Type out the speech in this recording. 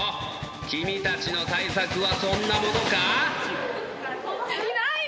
君たちの対策はそんなものか？